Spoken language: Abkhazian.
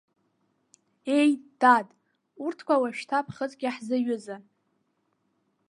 Еи, дад, урҭқәа уажәшьҭа ԥхыӡк иаҳзаҩызан.